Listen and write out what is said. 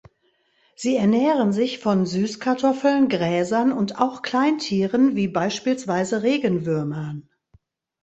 Sie ernähren sich von Süßkartoffeln, Gräsern und auch Kleintieren wie beispielsweise Regenwürmern.